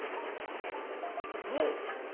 えっもう？